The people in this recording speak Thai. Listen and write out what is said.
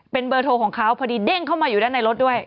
เป็นเบอร์โทรของเขาพอดีเด้งเข้ามาอยู่ด้านในรถด้วย